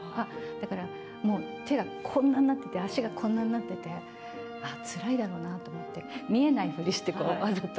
だからもう、手がこんななってて、足がこんななってて、あっ、つらいだろうなと思って、見えないふりして、こう、わざと。